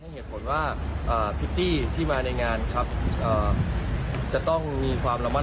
เหตุผลว่าพิตตี้ที่มาในงานครับจะต้องมีความระมัดระวัง